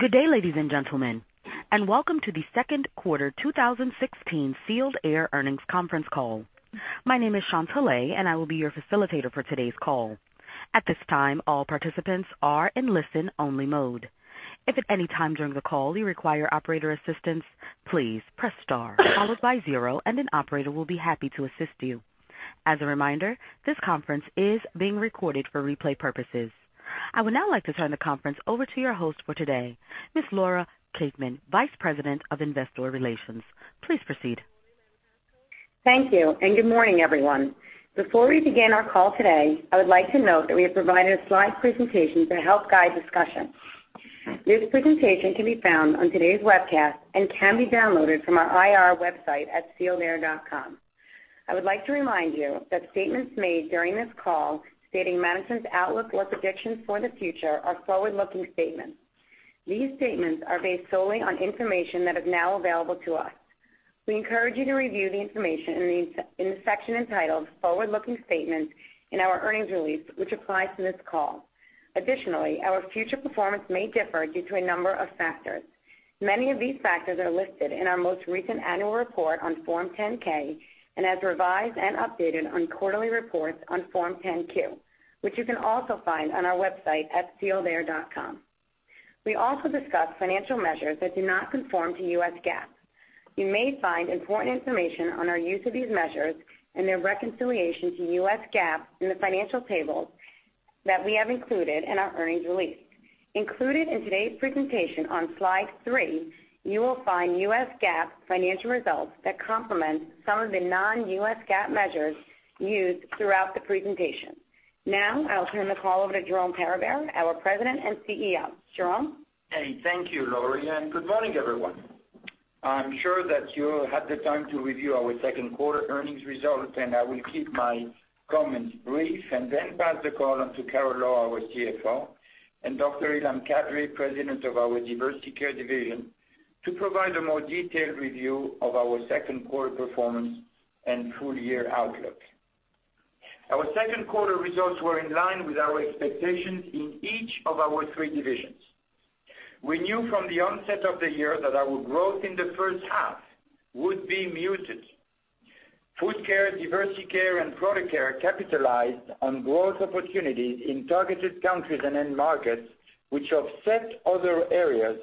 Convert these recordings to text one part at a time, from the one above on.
Good day, ladies and gentlemen, and welcome to the second quarter 2016 Sealed Air Earnings Conference Call. My name is Shantalee, and I will be your facilitator for today's call. At this time, all participants are in listen-only mode. If at any time during the call you require operator assistance, please press star followed by zero, and an operator will be happy to assist you. As a reminder, this conference is being recorded for replay purposes. I would now like to turn the conference over to your host for today, Ms. Lori Chaitman, Vice President of Investor Relations. Please proceed. Thank you. Good morning, everyone. Before we begin our call today, I would like to note that we have provided a slide presentation to help guide discussion. This presentation can be found on today's webcast and can be downloaded from our IR website at sealedair.com. I would like to remind you that statements made during this call stating management's outlook or predictions for the future are forward-looking statements. These statements are based solely on information that is now available to us. We encourage you to review the information in the section entitled Forward-Looking Statements in our earnings release, which applies to this call. Additionally, our future performance may differ due to a number of factors. Many of these factors are listed in our most recent annual report on Form 10-K and as revised and updated on quarterly reports on Form 10-Q, which you can also find on our website at sealedair.com. We also discuss financial measures that do not conform to US GAAP. You may find important information on our use of these measures and their reconciliation to US GAAP in the financial tables that we have included in our earnings release. Included in today's presentation on Slide three, you will find US GAAP financial results that complement some of the non-US GAAP measures used throughout the presentation. I'll turn the call over to Jerome Peribere, our President and CEO. Jerome? Hey, thank you, Lori. Good morning, everyone. I'm sure that you had the time to review our second quarter earnings results. I will keep my comments brief and then pass the call on to Carol Lowe, our CFO, and Dr. Ilham Kadri, President of our Diversey Care division, to provide a more detailed review of our second quarter performance and full-year outlook. Our second quarter results were in line with our expectations in each of our three divisions. We knew from the onset of the year that our growth in the first half would be muted. Food Care, Diversey Care, and Product Care capitalized on growth opportunities in targeted countries and end markets, which offset other areas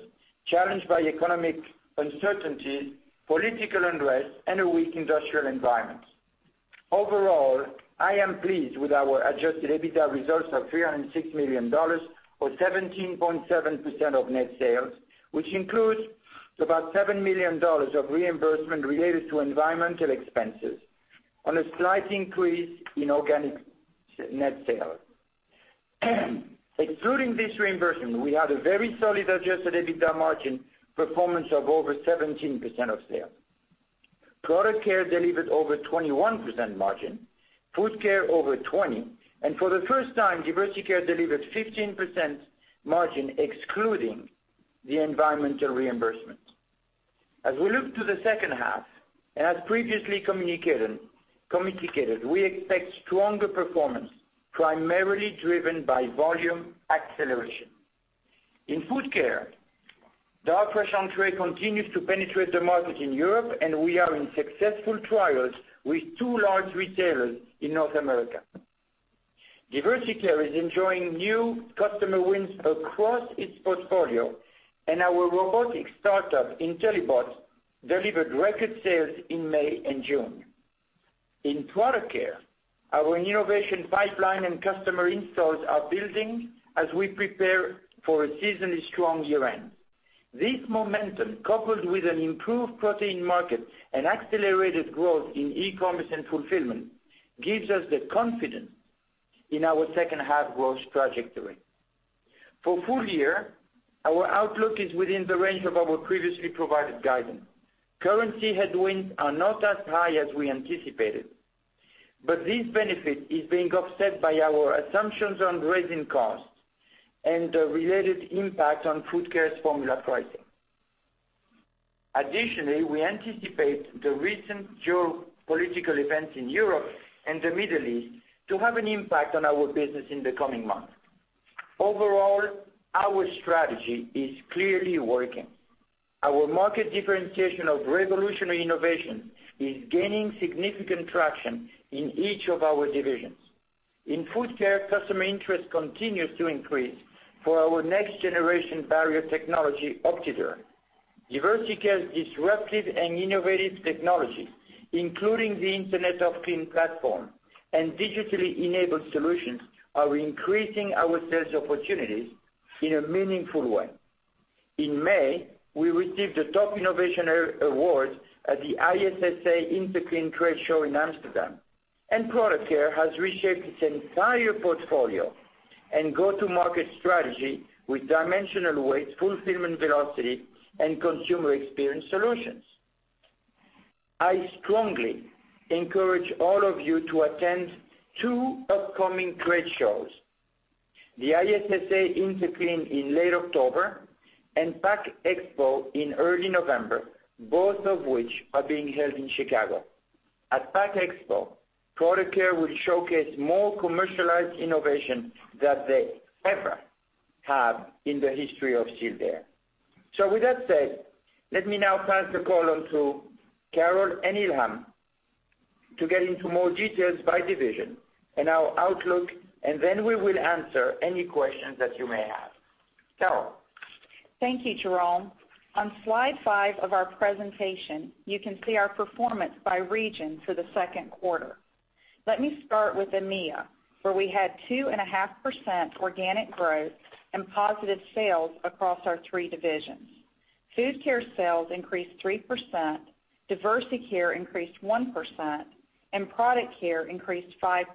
challenged by economic uncertainty, political unrest, and a weak industrial environment. Overall, I am pleased with our adjusted EBITDA results of $306 million, or 17.7% of net sales, which includes about $7 million of reimbursement related to environmental expenses on a slight increase in organic net sales. Excluding this reimbursement, we had a very solid adjusted EBITDA margin performance of over 17% of sales. Product Care delivered over 21% margin, Food Care over 20%, and for the first time, Diversey Care delivered 15% margin excluding the environmental reimbursement. As we look to the second half, as previously communicated, we expect stronger performance, primarily driven by volume acceleration. In Food Care, Darfresh Entrée continues to penetrate the market in Europe, and we are in successful trials with two large retailers in North America. Diversey Care is enjoying new customer wins across its portfolio, and our robotics startup, Intellibot, delivered record sales in May and June. In Product Care, our innovation pipeline and customer installs are building as we prepare for a seasonally strong year-end. This momentum, coupled with an improved protein market and accelerated growth in e-commerce and fulfillment, gives us the confidence in our second-half growth trajectory. For full-year, our outlook is within the range of our previously provided guidance. Currency headwinds are not as high as we anticipated. This benefit is being offset by our assumptions on raising costs and the related impact on Food Care's formula pricing. Additionally, we anticipate the recent geopolitical events in Europe and the Middle East to have an impact on our business in the coming months. Overall, our strategy is clearly working. Our market differentiation of revolutionary innovation is gaining significant traction in each of our divisions. In Food Care, customer interest continues to increase for our next-generation barrier technology, OptiDure. Diversey Care's disruptive and innovative technology, including the Internet of Clean platform and digitally enabled solutions, are increasing our sales opportunities in a meaningful way. In May, we received a top innovation award at the ISSA/Interclean trade show in Amsterdam. Product Care has reshaped its entire portfolio and go-to-market strategy with dimensional weight, fulfillment velocity, and consumer experience solutions. I strongly encourage all of you to attend two upcoming trade shows, the ISSA/Interclean in late October and Pack Expo in early November, both of which are being held in Chicago. At Pack Expo, Product Care will showcase more commercialized innovation than they ever have in the history of Sealed Air. With that said, let me now pass the call on to Carol and Ilham to get into more details by division and our outlook, and then we will answer any questions that you may have. Carol? Thank you, Jerome. On slide five of our presentation, you can see our performance by region for the second quarter. Let me start with EMEA, where we had 2.5% organic growth and positive sales across our three divisions. Food Care sales increased 3%, Diversey Care increased 1%, and Product Care increased 5%.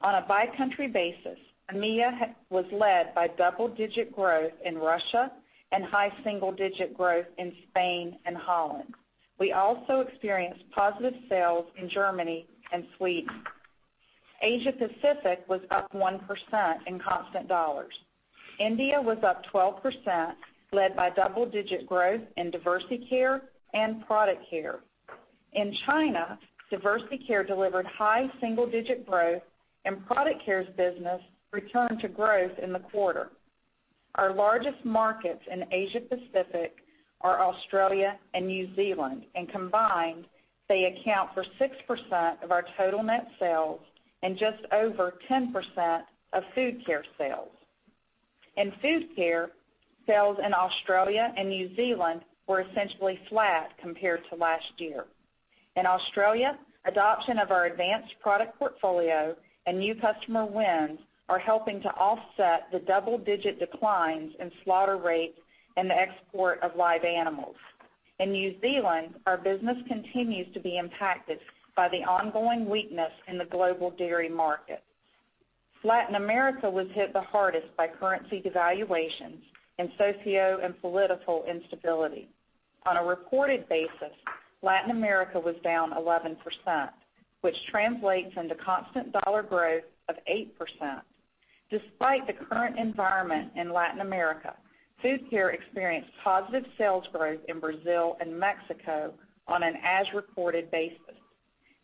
On a by-country basis, EMEA was led by double-digit growth in Russia and high single-digit growth in Spain and Holland. We also experienced positive sales in Germany and Sweden. Asia-Pacific was up 1% in constant dollars. India was up 12%, led by double-digit growth in Diversey Care and Product Care. In China, Diversey Care delivered high single-digit growth, and Product Care's business returned to growth in the quarter. Our largest markets in Asia-Pacific are Australia and New Zealand, and combined, they account for 6% of our total net sales and just over 10% of Food Care sales. In Food Care, sales in Australia and New Zealand were essentially flat compared to last year. In Australia, adoption of our advanced product portfolio and new customer wins are helping to offset the double-digit declines in slaughter rates and the export of live animals. In New Zealand, our business continues to be impacted by the ongoing weakness in the global dairy market. Latin America was hit the hardest by currency devaluations and socio and political instability. On a reported basis, Latin America was down 11%, which translates into constant dollar growth of 8%. Despite the current environment in Latin America, Food Care experienced positive sales growth in Brazil and Mexico on an as reported basis.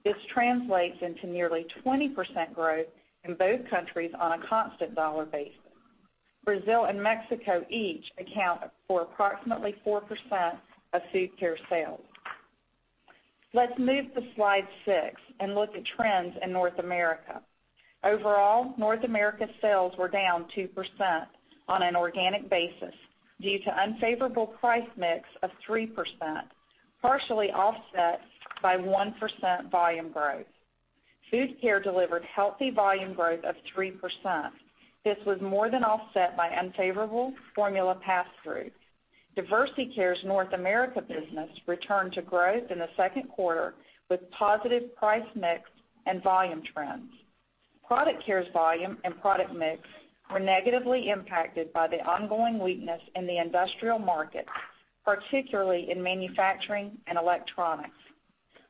This translates into nearly 20% growth in both countries on a constant dollar basis. Brazil and Mexico each account for approximately 4% of Food Care sales. Let's move to slide six and look at trends in North America. Overall, North America sales were down 2% on an organic basis due to unfavorable price mix of 3%, partially offset by 1% volume growth. Food Care delivered healthy volume growth of 3%. This was more than offset by unfavorable formula pass-through. Diversey Care's North America business returned to growth in the second quarter with positive price mix and volume trends. Product Care's volume and product mix were negatively impacted by the ongoing weakness in the industrial market, particularly in manufacturing and electronics.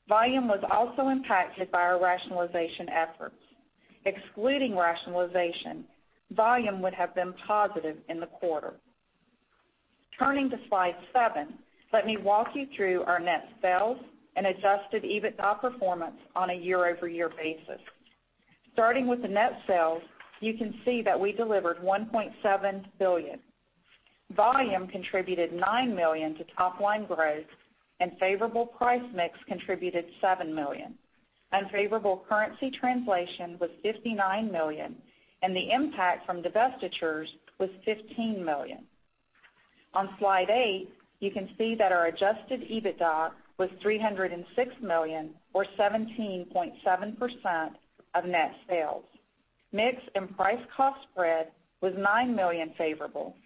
Volume was also impacted by our rationalization efforts. Excluding rationalization, volume would have been positive in the quarter. Turning to slide seven, let me walk you through our net sales and adjusted EBITDA performance on a year-over-year basis. Starting with the net sales, you can see that we delivered $1.7 billion. Volume contributed $9 million to top-line growth, favorable price mix contributed $7 million. Unfavorable currency translation was $59 million, the impact from divestitures was $15 million. On slide eight, you can see that our adjusted EBITDA was $306 million or 17.7% of net sales. Mix and price-cost spread was $9 million favorable,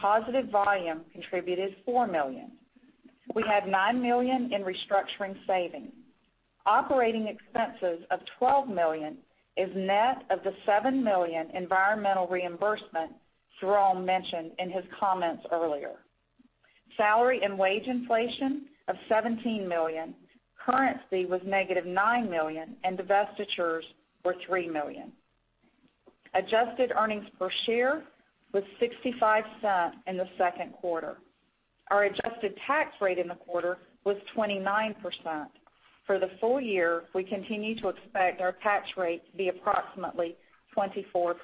positive volume contributed $4 million. We had $9 million in restructuring savings. Operating expenses of $12 million is net of the $7 million environmental reimbursement Jerome mentioned in his comments earlier. Salary and wage inflation of $17 million, currency was negative $9 million, and divestitures were $3 million. Adjusted earnings per share was $0.65 in the second quarter. Our adjusted tax rate in the quarter was 29%. For the full year, we continue to expect our tax rate to be approximately 24%.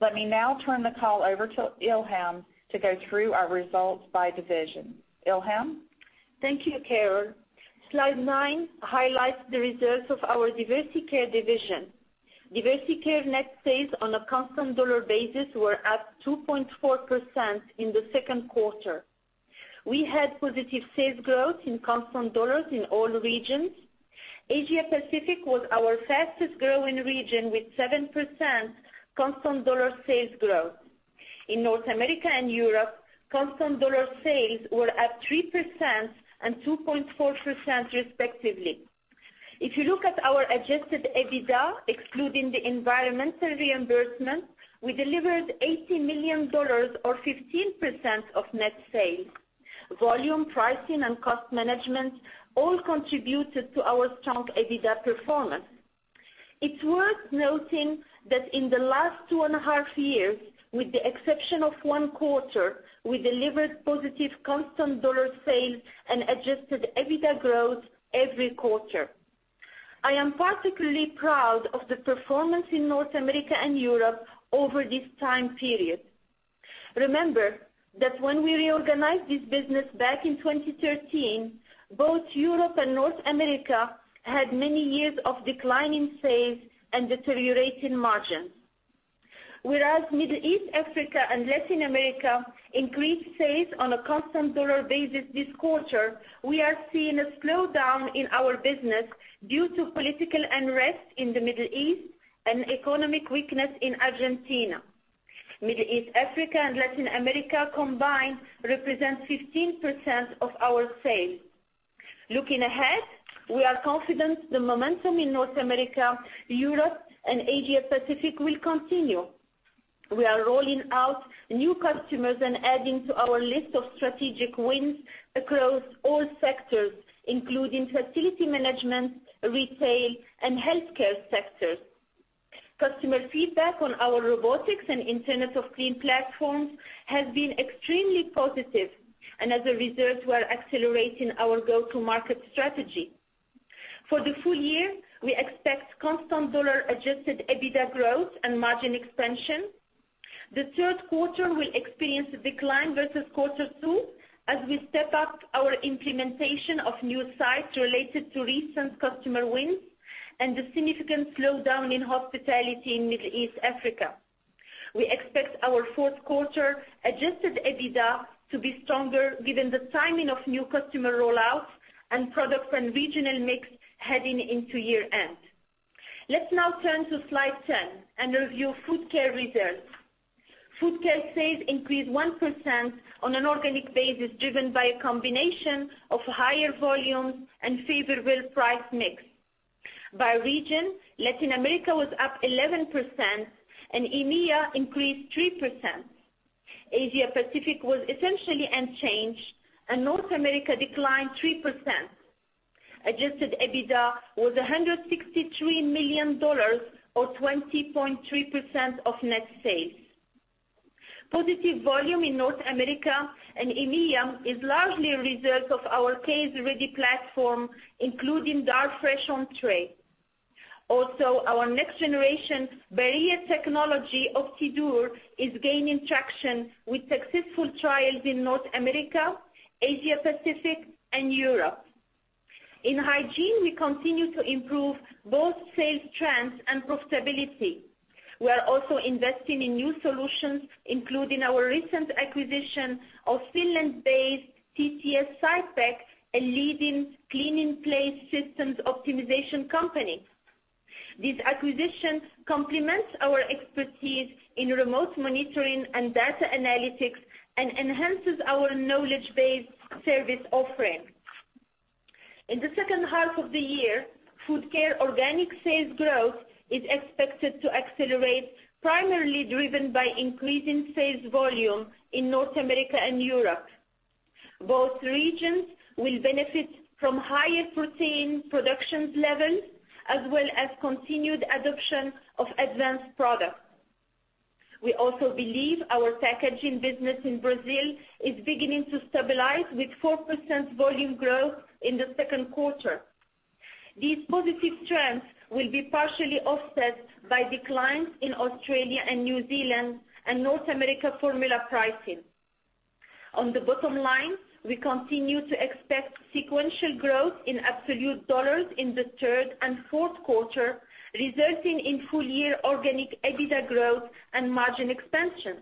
Let me now turn the call over to Ilham to go through our results by division. Ilham? Thank you, Carol. Slide 9 highlights the results of our Diversey Care division. Diversey Care net sales on a constant dollar basis were up 2.4% in the second quarter. We had positive sales growth in constant dollars in all regions. Asia-Pacific was our fastest growing region with 7% constant dollar sales growth. In North America and Europe, constant dollar sales were up 3% and 2.4%, respectively. If you look at our adjusted EBITDA, excluding the environmental reimbursement, we delivered $80 million or 15% of net sales. Volume, pricing, and cost management all contributed to our strong EBITDA performance. It's worth noting that in the last two and a half years, with the exception of one quarter, we delivered positive constant dollar sales and adjusted EBITDA growth every quarter. I am particularly proud of the performance in North America and Europe over this time period. Remember that when we reorganized this business back in 2013, both Europe and North America had many years of declining sales and deteriorating margins. Whereas Middle East, Africa, and Latin America increased sales on a constant dollar basis this quarter, we are seeing a slowdown in our business due to political unrest in the Middle East and economic weakness in Argentina. Middle East, Africa, and Latin America combined represent 15% of our sales. Looking ahead, we are confident the momentum in North America, Europe, and Asia Pacific will continue. We are rolling out new customers and adding to our list of strategic wins across all sectors, including facility management, retail, and healthcare sectors. Customer feedback on our robotics and Internet of Clean platforms has been extremely positive, as a result, we are accelerating our go-to market strategy. For the full year, we expect constant dollar adjusted EBITDA growth and margin expansion. The third quarter will experience a decline versus quarter 2 as we step up our implementation of new sites related to recent customer wins and a significant slowdown in hospitality in Middle East Africa. We expect our fourth quarter adjusted EBITDA to be stronger given the timing of new customer rollouts and product and regional mix heading into year-end. Let's now turn to slide 10 and review Food Care results. Food Care sales increased 1% on an organic basis, driven by a combination of higher volumes and favorable price mix. By region, Latin America was up 11% and EMEA increased 3%. Asia Pacific was essentially unchanged, North America declined 3%. Adjusted EBITDA was $163 million or 20.3% of net sales. Positive volume in North America and EMEA is largely a result of our case-ready platform, including our Darfresh on Tray. Also, our next generation barrier technology, OptiDure, is gaining traction with successful trials in North America, Asia Pacific, and Europe. In hygiene, we continue to improve both sales trends and profitability. We are also investing in new solutions, including our recent acquisition of Finland-based Tampereen Teollisuussähkö Oy, a leading clean-in-place systems optimization company. This acquisition complements our expertise in remote monitoring and data analytics and enhances our knowledge-based service offering. In the second half of the year, Food Care organic sales growth is expected to accelerate, primarily driven by increasing sales volume in North America and Europe. Both regions will benefit from higher protein production levels as well as continued adoption of advanced products. We also believe our packaging business in Brazil is beginning to stabilize with 4% volume growth in the second quarter. These positive trends will be partially offset by declines in Australia and New Zealand and North America formula pricing. On the bottom line, we continue to expect sequential growth in absolute dollars in the third and fourth quarter, resulting in full year organic EBITDA growth and margin expansion.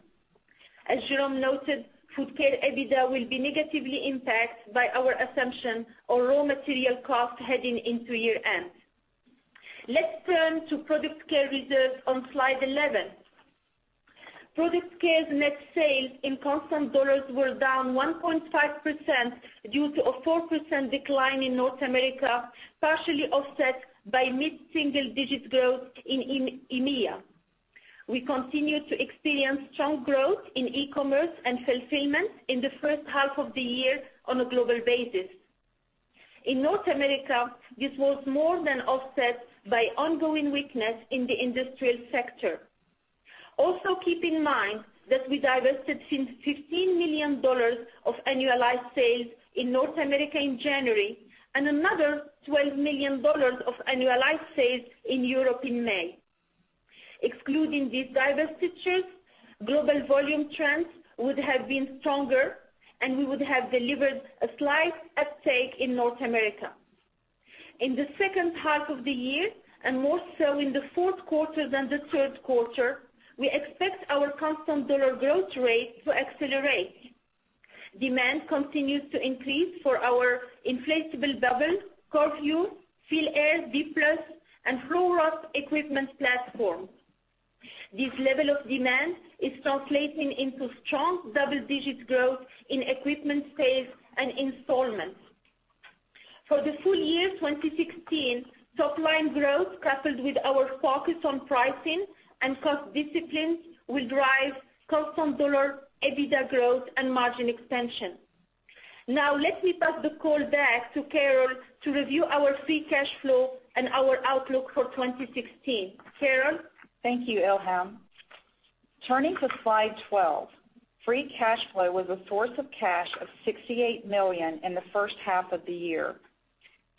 As Jerome noted, Food Care EBITDA will be negatively impacted by our assumption of raw material cost heading into year-end. Let's turn to Product Care results on slide 11. Product Care's net sales in constant dollars were down 1.5% due to a 4% decline in North America, partially offset by mid-single digit growth in EMEA. We continue to experience strong growth in e-commerce and fulfillment in the first half of the year on a global basis. In North America, this was more than offset by ongoing weakness in the industrial sector. Keep in mind that we divested $15 million of annualized sales in North America in January and another $12 million of annualized sales in Europe in May. Excluding these divestitures, global volume trends would have been stronger, and we would have delivered a slight uptick in North America. In the second half of the year, and more so in the fourth quarter than the third quarter, we expect our constant dollar growth rate to accelerate. Demand continues to increase for our Inflatable Bubble, Korrvu, Sealed Air D+, and FloWrap equipment platform. This level of demand is translating into strong double-digit growth in equipment sales and installments. For the full year 2016, top-line growth coupled with our focus on pricing and cost discipline will drive constant dollar EBITDA growth and margin expansion. Let me pass the call back to Carol to review our free cash flow and our outlook for 2016. Carol? Thank you, Ilham. Turning to slide 12. Free cash flow was a source of cash of $68 million in the first half of the year.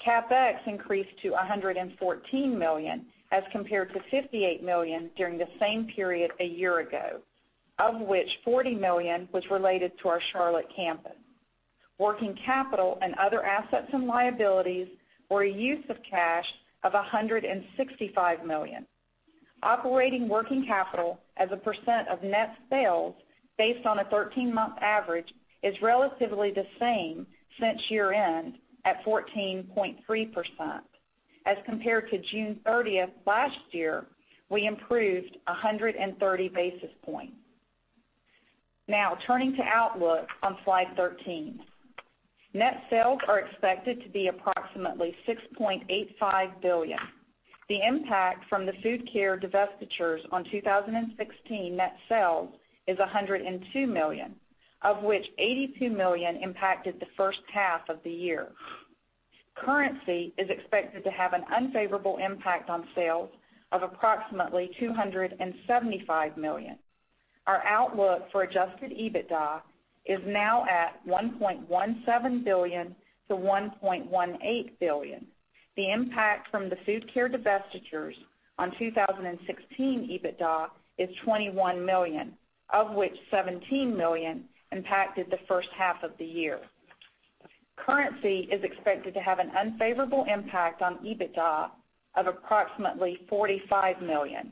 CapEx increased to $114 million as compared to $58 million during the same period a year ago, of which $40 million was related to our Charlotte campus. Working capital and other assets and liabilities were a use of cash of $165 million. Operating working capital as a percent of net sales based on a 13-month average is relatively the same since year-end at 14.3%. As compared to June 30th last year, we improved 130 basis points. Turning to outlook on slide 13. Net sales are expected to be approximately $6.85 billion. The impact from the Food Care divestitures on 2016 net sales is $102 million, of which $82 million impacted the first half of the year. Currency is expected to have an unfavorable impact on sales of approximately $275 million. Our outlook for adjusted EBITDA is now at $1.17 billion-$1.18 billion. The impact from the Food Care divestitures on 2016 EBITDA is $21 million, of which $17 million impacted the first half of the year. Currency is expected to have an unfavorable impact on EBITDA of approximately $45 million.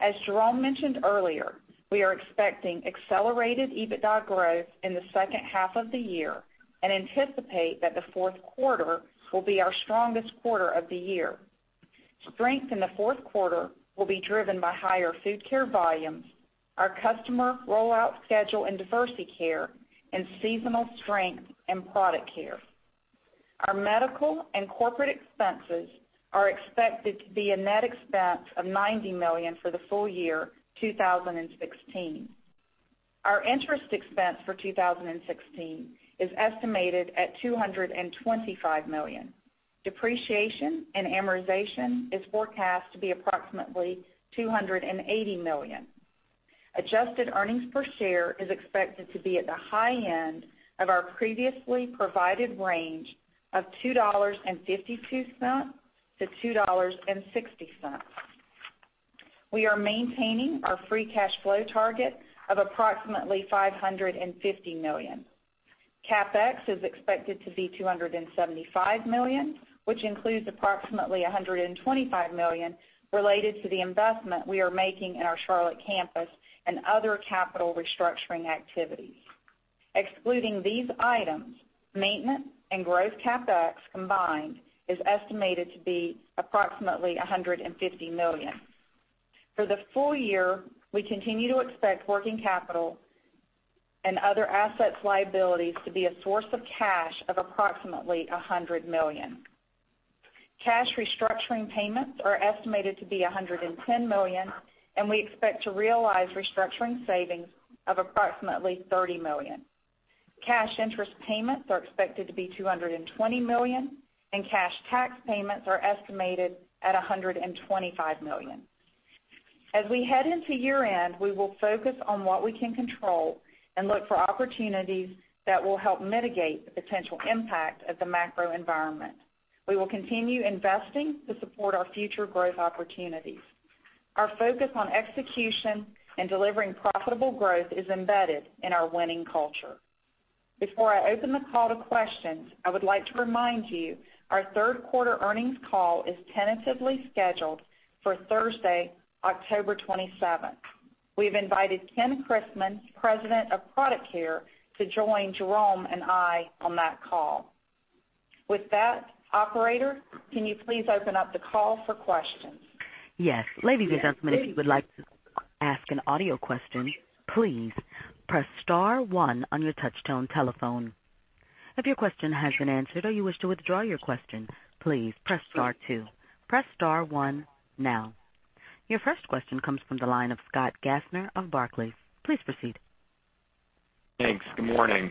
As Jerome mentioned earlier, we are expecting accelerated EBITDA growth in the second half of the year and anticipate that the fourth quarter will be our strongest quarter of the year. Strength in the fourth quarter will be driven by higher Food Care volumes, our customer rollout schedule in Diversey Care, and seasonal strength in Product Care. Our medical and corporate expenses are expected to be a net expense of $90 million for the full year 2016. Our interest expense for 2016 is estimated at $225 million. Depreciation and amortization is forecast to be approximately $280 million. Adjusted EPS is expected to be at the high end of our previously provided range of $2.52-$2.60. We are maintaining our free cash flow target of approximately $550 million. CapEx is expected to be $275 million, which includes approximately $125 million related to the investment we are making in our Charlotte campus and other capital restructuring activities. Excluding these items, maintenance and growth CapEx combined is estimated to be approximately $150 million. For the full year, we continue to expect working capital and other assets liabilities to be a source of cash of approximately $100 million. Cash restructuring payments are estimated to be $110 million, and we expect to realize restructuring savings of approximately $30 million. Cash interest payments are expected to be $220 million. Cash tax payments are estimated at $125 million. As we head into year-end, we will focus on what we can control and look for opportunities that will help mitigate the potential impact of the macro environment. We will continue investing to support our future growth opportunities. Our focus on execution and delivering profitable growth is embedded in our winning culture. Before I open the call to questions, I would like to remind you our third quarter earnings call is tentatively scheduled for Thursday, October 27th. We've invited Ken Chrisman, President of Product Care, to join Jerome and I on that call. With that, operator, can you please open up the call for questions? Yes. Ladies and gentlemen, if you would like to ask an audio question, please press star one on your touchtone telephone. If your question has been answered or you wish to withdraw your question, please press star two. Press star one now. Your first question comes from the line of Scott Gaffner of Barclays. Please proceed. Thanks. Good morning.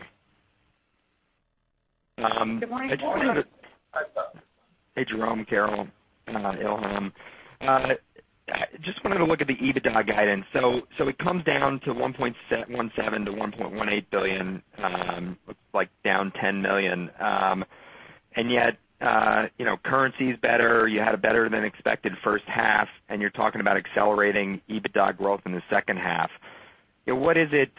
Good morning. Hey, Jerome, Carol, Ilham. Just wanted to look at the EBITDA guidance. It comes down to $1.17 billion-$1.18 billion, looks like down $10 million. Yet, currency's better, you had a better-than-expected first half, and you're talking about accelerating EBITDA growth in the second half. What is it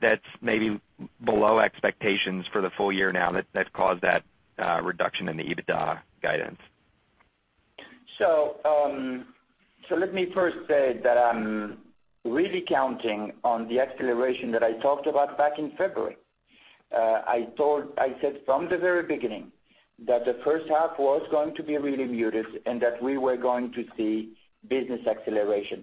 that's maybe below expectations for the full year now that caused that reduction in the EBITDA guidance? Let me first say that I'm really counting on the acceleration that I talked about back in February. I said from the very beginning that the first half was going to be really muted and that we were going to see business acceleration.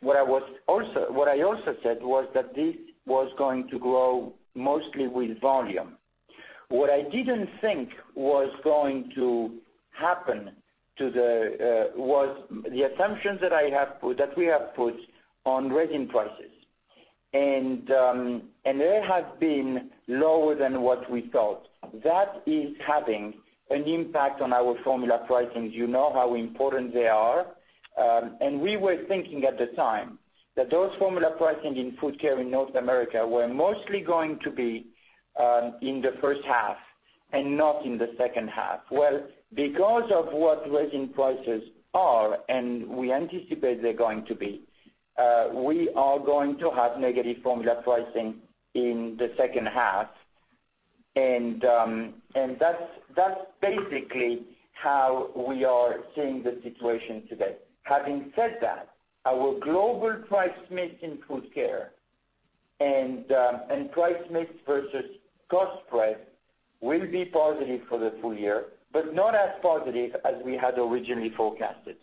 What I also said was that this was going to grow mostly with volume. What I didn't think was going to happen was the assumptions that we have put on resin prices. They have been lower than what we thought. That is having an impact on our formula pricing. You know how important they are. We were thinking at the time that those formula pricing in Food Care in North America were mostly going to be in the first half and not in the second half. Because of what resin prices are, we anticipate they're going to be, we are going to have negative formula pricing in the second half. That's basically how we are seeing the situation today. Having said that, our global price mix in Food Care and price mix versus cost spread will be positive for the full year, but not as positive as we had originally forecasted.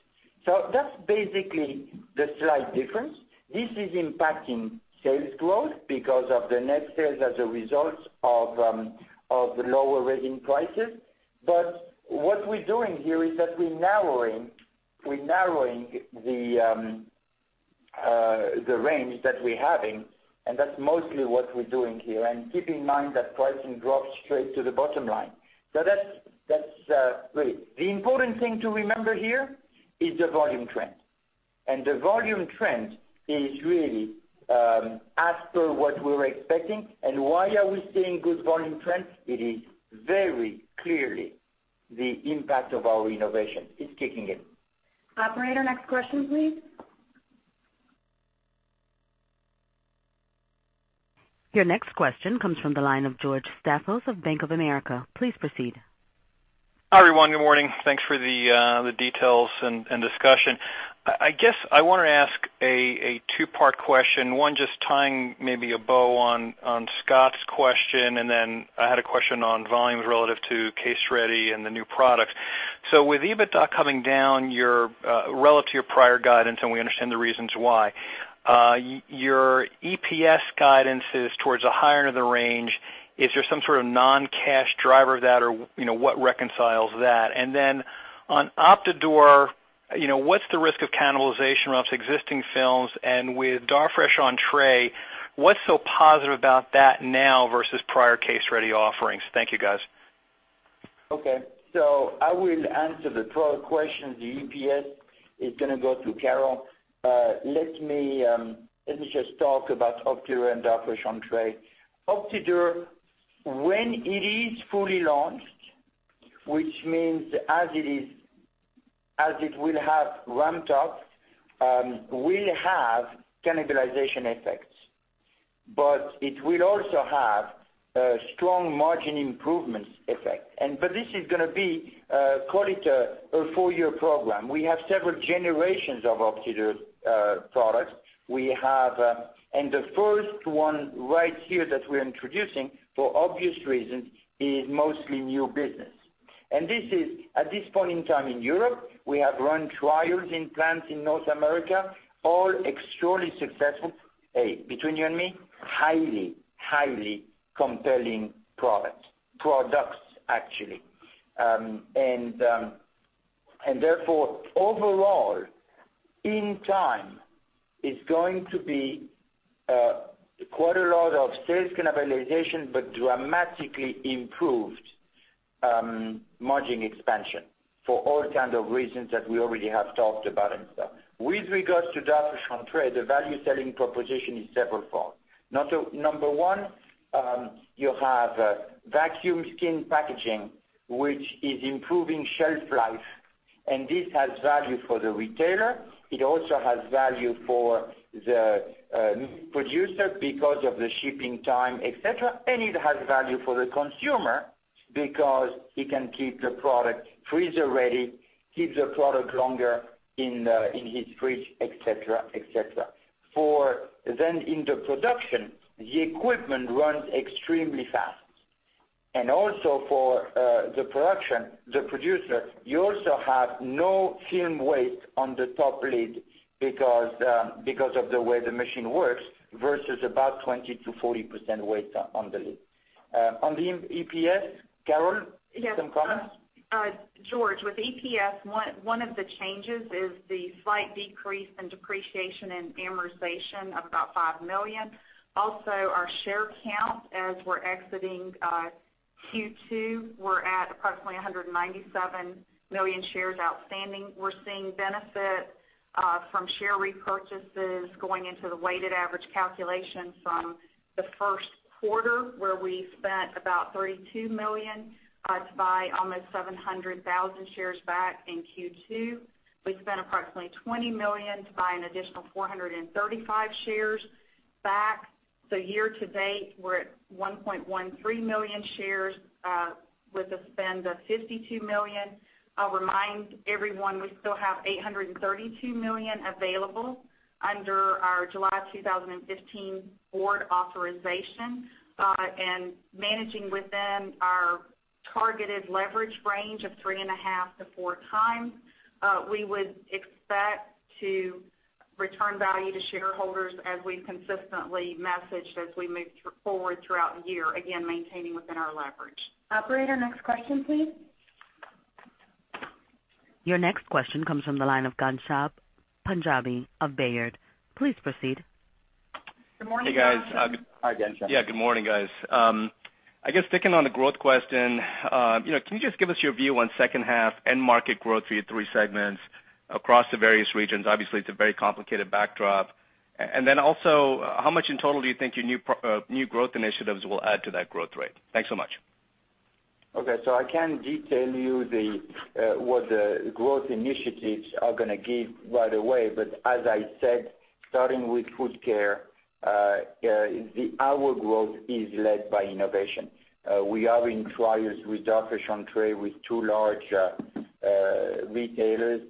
That's basically the slight difference. This is impacting sales growth because of the net sales as a result of the lower resin prices. What we're doing here is that we're narrowing the range that we're having, that's mostly what we're doing here. Keep in mind that pricing drops straight to the bottom line. That's great. The important thing to remember here is the volume trend. The volume trend is really as per what we were expecting. Why are we seeing good volume trends? It is very clearly the impact of our innovation. It's kicking in. Operator, next question please. Your next question comes from the line of George Staphos of Bank of America. Please proceed. Hi, everyone. Good morning. Thanks for the details and discussion. I want to ask a two-part question. One, just tying maybe a bow on Scott's question. I had a question on volumes relative to case-ready and the new products. With EBITDA coming down relative to your prior guidance, and we understand the reasons why, your EPS guidance is towards the higher end of the range. Is there some sort of non-cash driver of that or what reconciles that? On OptiDure, what's the risk of cannibalization amongst existing films and with Darfresh Entrée, what's so positive about that now versus prior case-ready offerings? Thank you, guys. I will answer the first question. The EPS is going to go to Carol. Let me just talk about OptiDure and Darfresh Entrée. OptiDure, when it is fully launched, which means as it will have ramped up, will have cannibalization effects. It will also have a strong margin improvements effect. This is going to be, call it a four-year program. We have several generations of OptiDure products. The first one right here that we're introducing, for obvious reasons, is mostly new business. At this point in time in Europe, we have run trials in plants in North America, all extremely successful. Between you and me, highly compelling products. Overall, in time, it's going to be quite a lot of sales cannibalization, but dramatically improved margin expansion for all kinds of reasons that we already have talked about and stuff. With regards to Darfresh Entrée, the value selling proposition is several fold. Number 1, you have vacuum skin packaging, which is improving shelf life, and this has value for the retailer. It also has value for the producer because of the shipping time, et cetera. It has value for the consumer because he can keep the product freezer ready, keep the product longer in his fridge, et cetera. In the production, the equipment runs extremely fast. For the production, the producer, you also have no film waste on the top lid because of the way the machine works, versus about 20%-40% waste on the lid. On the EPS, Carol, some comments? Yes. George, with EPS, 1 of the changes is the slight decrease in depreciation and amortization of about $5 million. Also, our share count as we're exiting Q2, we're at approximately 197 million shares outstanding. We're seeing benefit from share repurchases going into the weighted average calculation from the first quarter, where we spent about $32 million to buy almost 700,000 shares back in Q2. We spent approximately $20 million to buy an additional 435,000 shares back. Year to date, we're at 1.13 million shares with a spend of $52 million. I'll remind everyone, we still have $832 million available under our July 2015 board authorization, and managing within our Targeted leverage range of 3.5x-4x. We would expect to return value to shareholders as we've consistently messaged as we move forward throughout the year, again, maintaining within our leverage. Operator, next question, please. Your next question comes from the line of Ghansham Panjabi of Baird. Please proceed. Good morning, Ghansham. Hey, guys. Hi, Ghansham. Yeah, good morning, guys. I guess, picking on the growth question, can you just give us your view on second half end market growth for your three segments across the various regions? Obviously, it's a very complicated backdrop. Also, how much in total do you think your new growth initiatives will add to that growth rate? Thanks so much. Okay. I can't detail you what the growth initiatives are going to give right away, as I said, starting with Food Care, our growth is led by innovation. We are in trials with Darfresh Entrée, with two large retailers.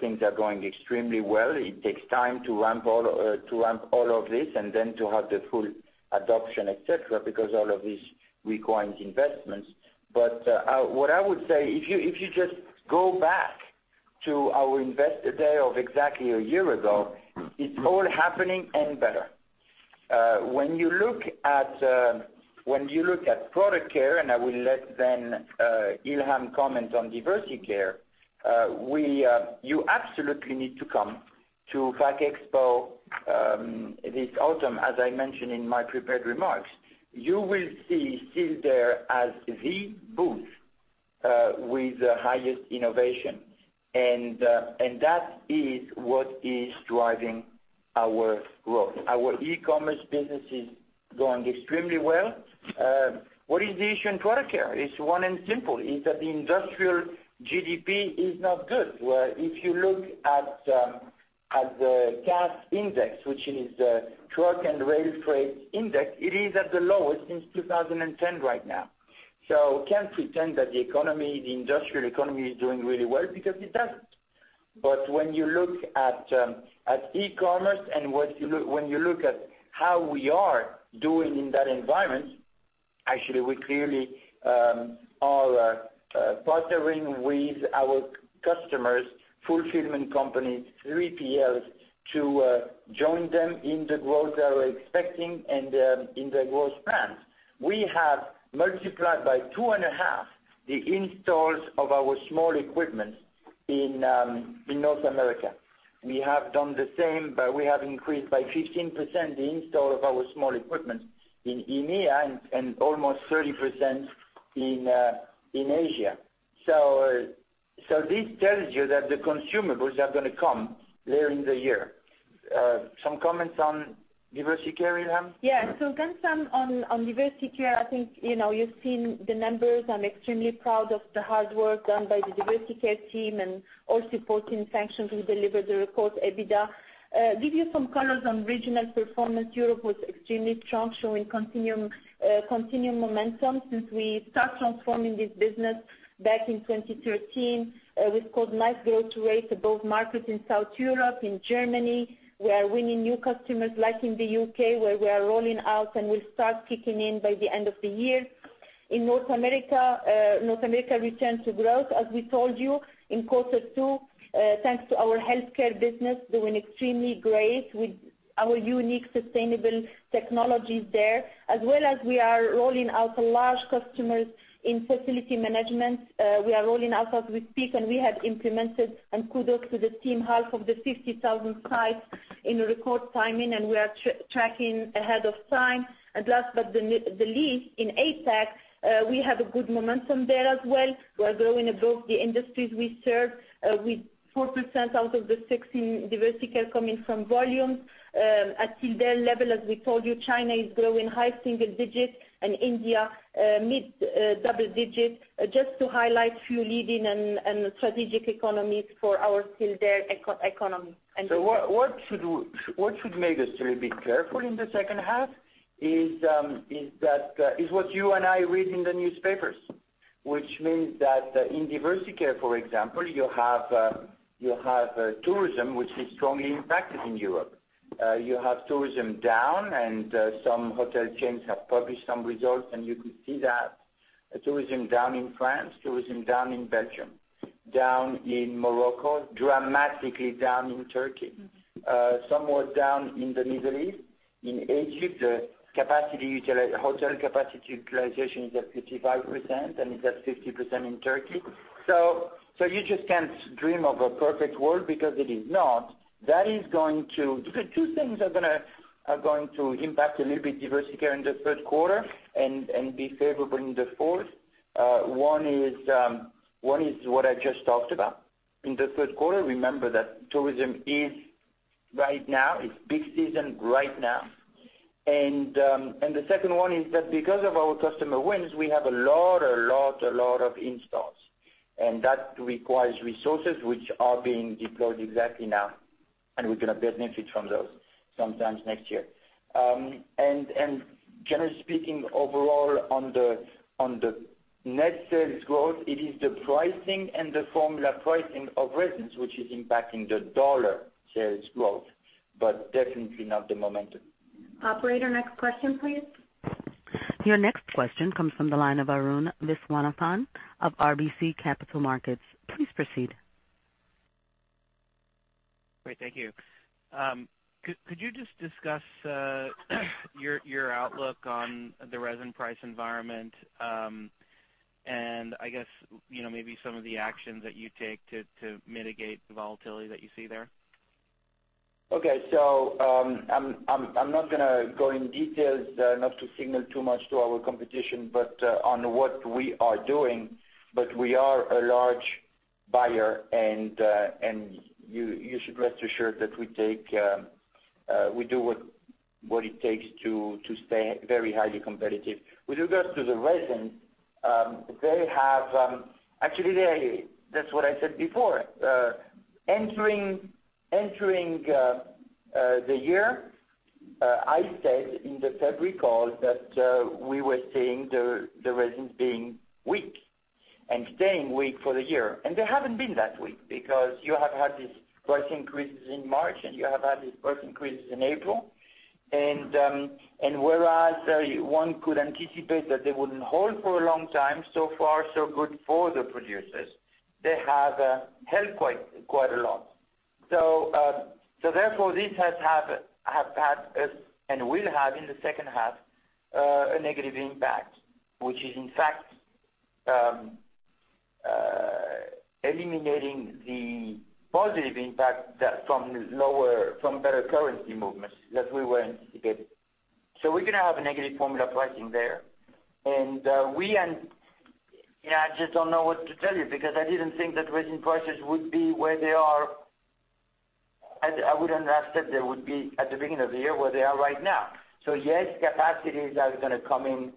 Things are going extremely well. It takes time to ramp all of this and then to have the full adoption, et cetera, because all of this requires investments. What I would say, if you just go back to our Investor Day of exactly a year ago, it's all happening and better. When you look at Product Care, I will let then Ilham comment on Diversey Care, you absolutely need to come to Pack Expo this autumn, as I mentioned in my prepared remarks. You will see Sealed Air as the booth with the highest innovation. That is what is driving our growth. Our e-commerce business is going extremely well. What is the issue in Product Care? It's one and simple, is that the industrial GDP is not good. Where if you look at the Cass Index, which is the truck and rail freight index, it is at the lowest since 2010 right now. Can't pretend that the economy, the industrial economy, is doing really well because it doesn't. When you look at e-commerce and when you look at how we are doing in that environment, actually we clearly are partnering with our customers, fulfillment companies, 3PLs, to join them in the growth they were expecting and in their growth plans. We have multiplied by two and a half the installs of our small equipment in North America. We have done the same, we have increased by 15% the install of our small equipment in EMEA and almost 30% in Asia. This tells you that the consumables are going to come later in the year. Some comments on Diversey Care, Ilham? Yeah. Ghansham, on Diversey Care, I think you've seen the numbers. I'm extremely proud of the hard work done by the Diversey Care team and all supporting functions who delivered the record EBITDA. Give you some colors on regional performance. Europe was extremely strong, showing continuing momentum since we start transforming this business back in 2013. We've got nice growth rates at both markets in South Europe, in Germany. We are winning new customers like in the U.K., where we are rolling out, and we start kicking in by the end of the year. In North America, North America returned to growth, as we told you, in quarter two, thanks to our healthcare business doing extremely great with our unique sustainable technologies there, as well as we are rolling out large customers in facility management. We are rolling out as we speak, we have implemented, kudos to the team, half of the 50,000 sites in record timing, we are tracking ahead of time. Last but the least, in APAC, we have a good momentum there as well. We are growing above the industries we serve, with 4% out of the 16 Diversey Care coming from volume. At Sealed Air level, as we told you, China is growing high single digits and India mid double digits. Just to highlight a few leading and strategic economies for our Sealed Air economy. What should make us a little bit careful in the second half is what you and I read in the newspapers, which means that in Diversey Care, for example, you have tourism, which is strongly impacted in Europe. You have tourism down, some hotel chains have published some results, you could see that tourism down in France, tourism down in Belgium, down in Morocco, dramatically down in Turkey, somewhat down in the Middle East. In Egypt, hotel capacity utilization is at 55%, and it's at 50% in Turkey. You just can't dream of a perfect world because it is not. Two things are going to impact a little bit Diversey Care in the third quarter and be favorable in the fourth. One is what I just talked about. In the third quarter, remember that tourism is right now, it's big season right now. The second one is that because of our customer wins, we have a lot, a lot, a lot of installs. That requires resources which are being deployed exactly now, and we're going to benefit from those sometimes next year. Generally speaking, overall on the net sales growth, it is the pricing and the formula pricing of resins which is impacting the dollar sales growth, but definitely not the momentum. Operator, next question please. Your next question comes from the line of Arun Viswanathan of RBC Capital Markets. Please proceed. Great. Thank you. Could you just discuss your outlook on the resin price environment, and I guess, maybe some of the actions that you take to mitigate the volatility that you see there? Okay. I'm not going to go in details, not to signal too much to our competition, on what we are doing. We are a large buyer and you should rest assured that we do what it takes to stay very highly competitive. With regards to the resin, actually, that's what I said before. Entering the year, I said in the February call that we were seeing the resins being weak and staying weak for the year. They haven't been that weak because you have had these price increases in March. You have had these price increases in April. Whereas one could anticipate that they wouldn't hold for a long time, so far so good for the producers. They have held quite a lot. Therefore, this has had and will have in the second half, a negative impact, which is in fact, eliminating the positive impact from better currency movements that we were anticipating. We're going to have a negative formula pricing there. I just don't know what to tell you, because I didn't think that resin prices would be where they are. I wouldn't have said they would be at the beginning of the year where they are right now. Yes, capacities are going to come in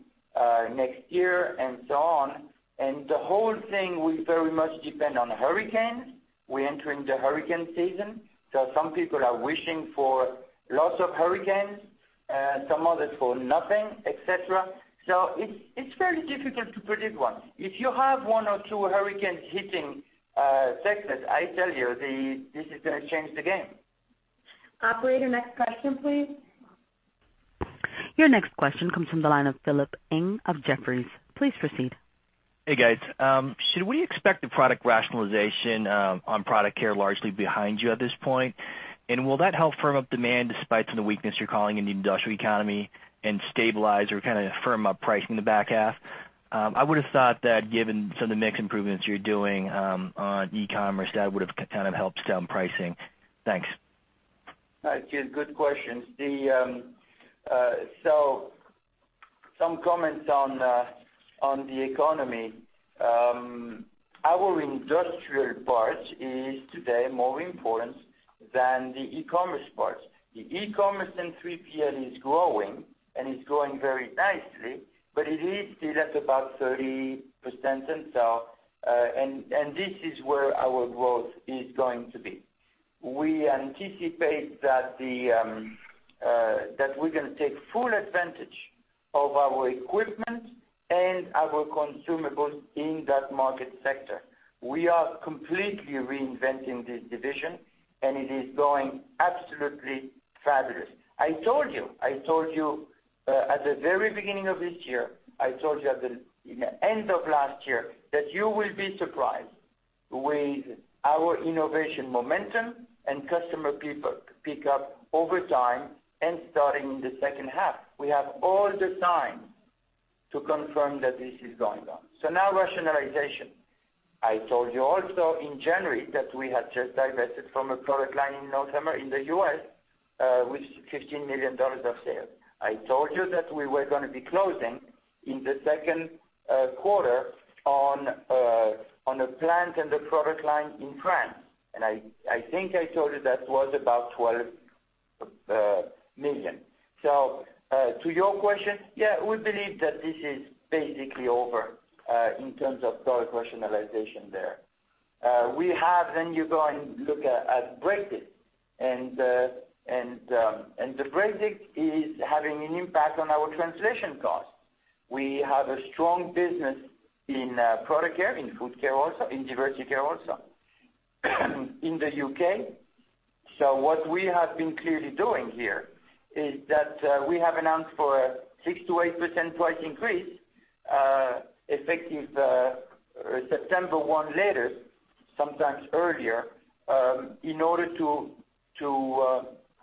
next year and so on, and the whole thing will very much depend on hurricanes. We enter in the hurricane season. Some people are wishing for lots of hurricanes, some others for nothing, et cetera. It's very difficult to predict one. If you have one or two hurricanes hitting Texas, I tell you, this is going to change the game. Operator, next question, please. Your next question comes from the line of Philip Ng of Jefferies. Please proceed. Hey, guys. Should we expect the product rationalization on Product Care largely behind you at this point? Will that help firm up demand despite some of the weakness you're calling in the industrial economy and stabilize or firm up pricing in the back half? I would've thought that given some of the mix improvements you're doing on e-commerce, that would've helped stem pricing. Thanks. Hi, Phil. Good questions. Some comments on the economy. Our industrial part is today more important than the e-commerce part. The e-commerce and 3PL is growing and is growing very nicely, but it is still at about 30%. This is where our growth is going to be. We anticipate that we're going to take full advantage of our equipment and our consumables in that market sector. We are completely reinventing this division, and it is going absolutely fabulous. I told you. I told you at the very beginning of this year, I told you at the end of last year that you will be surprised with our innovation momentum and customer pick-up over time and starting in the second half. We have all the time to confirm that this is going on. Now rationalization. I told you also in January that we had just divested from a product line in North America, in the U.S., with $15 million of sales. I told you that we were going to be closing in the second quarter on a plant and a product line in France, and I think I told you that was about $12 million. To your question, yeah, we believe that this is basically over, in terms of product rationalization there. You go and look at Brexit. The Brexit is having an impact on our translation costs. We have a strong business in Product Care, in Food Care also, in Diversey Care also in the U.K. What we have been clearly doing here is that we have announced for a 6%-8% price increase, effective September 1 later, sometimes earlier, in order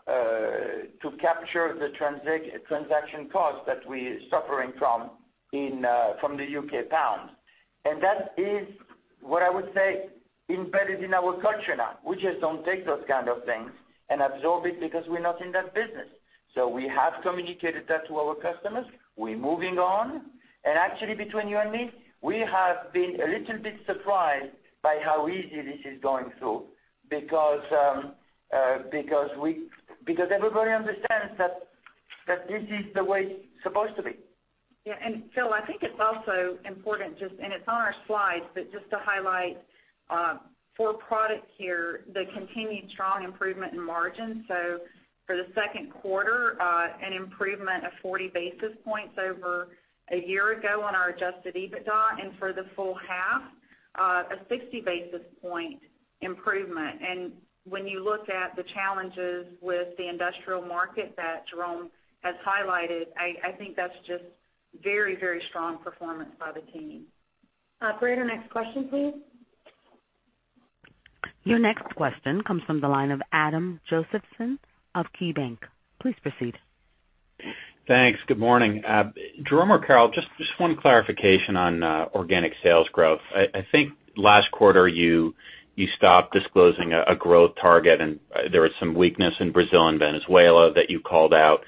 to capture the transaction cost that we're suffering from the U.K. pound. That is what I would say, embedded in our culture now. We just don't take those kind of things and absorb it because we're not in that business. We have communicated that to our customers. We're moving on. Actually, between you and me, we have been a little bit surprised by how easy this is going through because everybody understands that this is the way it's supposed to be. Phil, I think it's also important, and it's on our slides, but just to highlight for Product Care, the continued strong improvement in margin. For the second quarter, an improvement of 40 basis points over a year ago on our adjusted EBITDA and for the full half, a 60-basis point improvement. When you look at the challenges with the industrial market that Jerome has highlighted, I think that's just very strong performance by the team. Operator, next question, please. Your next question comes from the line of Adam Josephson of KeyBanc. Please proceed. Thanks. Good morning. Jerome or Carol, just one clarification on organic sales growth. I think last quarter you stopped disclosing a growth target, and there was some weakness in Brazil and Venezuela that you called out.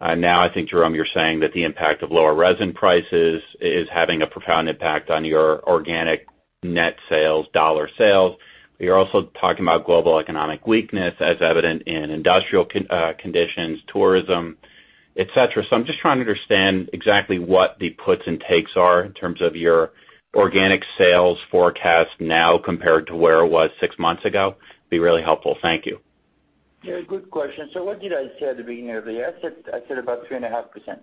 I think, Jerome, you're saying that the impact of lower resin prices is having a profound impact on your organic net sales, dollar sales. You're also talking about global economic weakness as evident in industrial conditions, tourism, et cetera. I'm just trying to understand exactly what the puts and takes are in terms of your organic sales forecast now compared to where it was six months ago. It'd be really helpful. Thank you. Good question. What did I say at the beginning of the year? I said about 3.5%.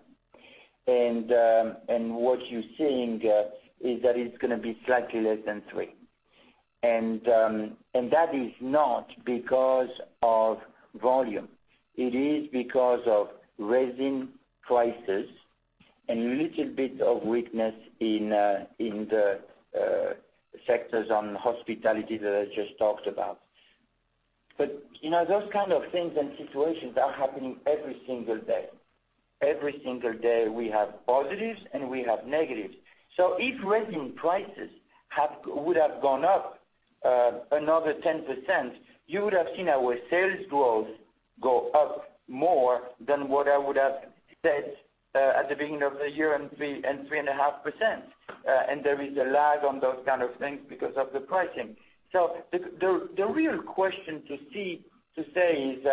What you're seeing is that it's going to be slightly less than 3%. That is not because of volume. It is because of resin prices and little bit of weakness in the sectors on hospitality that I just talked about. Those kind of things and situations are happening every single day. Every single day, we have positives, and we have negatives. If resin prices would have gone up another 10%, you would have seen our sales growth go up more than what I would have said at the beginning of the year, in 3.5%. There is a lag on those kind of things because of the pricing. The real question to say is,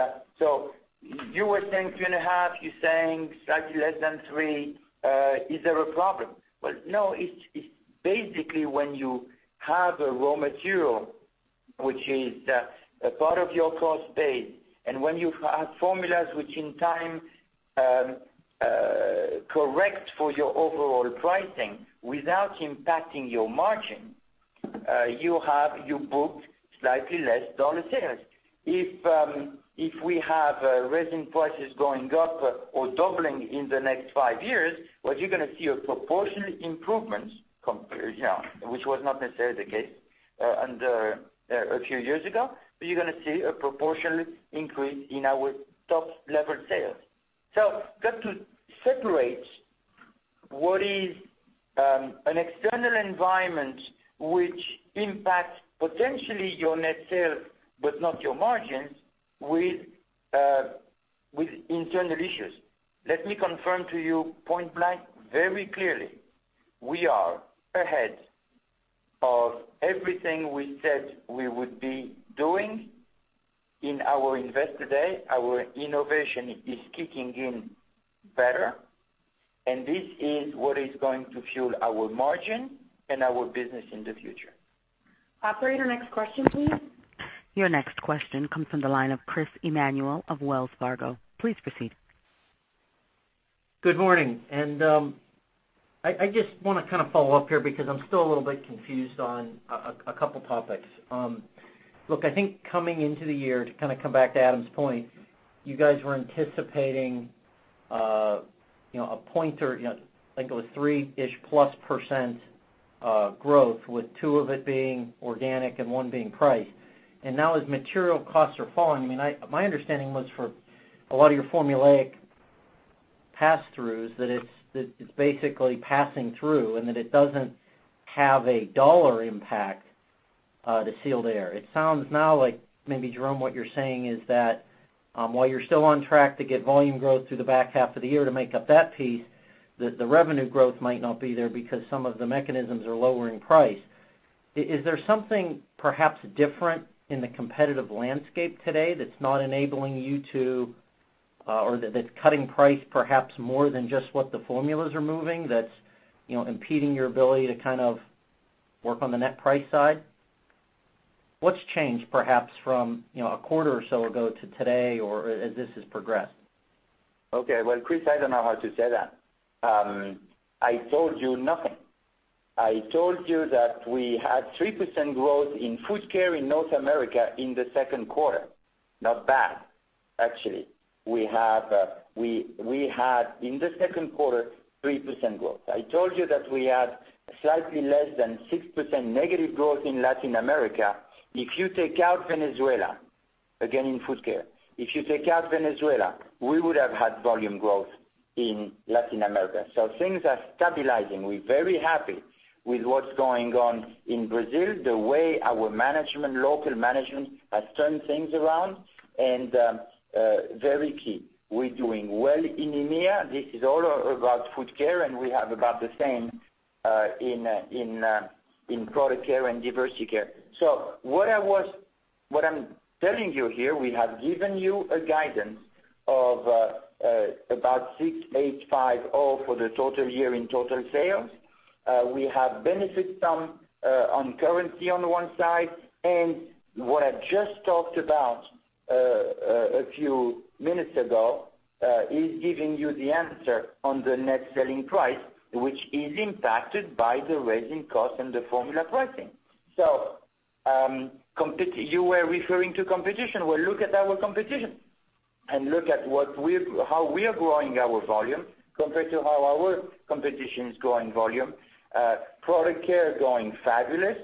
you were saying 3.5, you're saying slightly less than 3. Is there a problem? Well, no. It's basically when you have a raw material, which is a part of your cost base, and when you have formulas, which in time correct for your overall pricing without impacting your margin, you booked slightly less dollar sales. If we have resin prices going up or doubling in the next five years, what you're going to see a proportionate improvement, which was not necessarily the case a few years ago, but you're going to see a proportionate increase in our top-level sales. You've got to separate what is an external environment which impacts potentially your net sales but not your margins, with internal issues. Let me confirm to you point blank, very clearly, we are ahead of everything we said we would be doing in our Investor Day. Our innovation is kicking in better, this is what is going to fuel our margin and our business in the future. Operator, next question please. Your next question comes from the line of Chris Manuel of Wells Fargo. Please proceed. Good morning. I just want to follow up here because I'm still a little bit confused on a couple topics. Look, I think coming into the year, to come back to Adam's point, you guys were anticipating a point, I think it was three-ish plus % growth, with two of it being organic and one being price. Now as material costs are falling, my understanding was for a lot of your formulaic pass-throughs, that it's basically passing through and that it doesn't have a dollar impact to Sealed Air. It sounds now like maybe, Jerome, what you're saying is that while you're still on track to get volume growth through the back half of the year to make up that piece, that the revenue growth might not be there because some of the mechanisms are lower in price. Is there something perhaps different in the competitive landscape today that's not enabling you to, or that's cutting price perhaps more than just what the formulas are moving, that's impeding your ability to work on the net price side? What's changed, perhaps, from a quarter or so ago to today or as this has progressed? Okay. Well, Chris, I don't know how to say that. I told you nothing. I told you that we had 3% growth in Food Care in North America in the second quarter. Not bad, actually. We had, in the second quarter, 3% growth. I told you that we had slightly less than 6% negative growth in Latin America. If you take out Venezuela, again, in Food Care, if you take out Venezuela, we would have had volume growth in Latin America. Things are stabilizing. We're very happy with what's going on in Brazil, the way our local management has turned things around, and very key. We're doing well in EMEA. This is all about Food Care, and we have about the same in Product Care and Diversey Care. What I'm telling you here, we have given you a guidance of about $6,850 for the total year in total sales. We have benefit on currency on the one side. What I've just talked about a few minutes ago, is giving you the answer on the net selling price, which is impacted by the rising cost and the formula pricing. You were referring to competition. Well, look at our competition, and look at how we're growing our volume compared to how our competition is growing volume. Product Care growing fabulous.